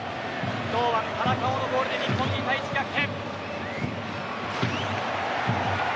堂安、田中碧のゴールで日本２対１、逆転。